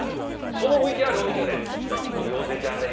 そのＶＴＲを見てくれ。